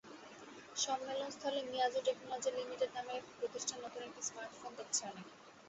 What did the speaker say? সম্মেলনস্থলে Miyazu technology limited নামের একটি প্রতিষ্ঠানে নতুন একটি স্মার্টফোন দেখছে অনেকে।